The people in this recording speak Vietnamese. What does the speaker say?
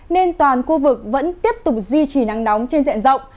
nên toàn khu vực vẫn tiếp tục duy trì nắng nóng trên diện rộng